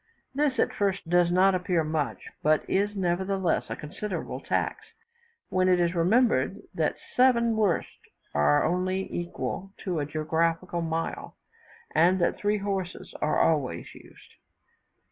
This at first does not appear much; but is, nevertheless, a considerable tax, when it is remembered that seven wersts are only equal to a geographical mile, and that three horses are always used.